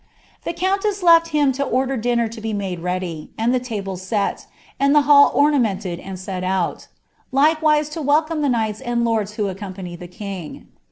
Tlic countess left him lo onler dinner to be maile ready, ami lb tables sut, and the hall onuimenied and set out; likewiae lo wdeoH llie knights and lords who accompanied the king.